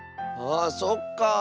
あそっか。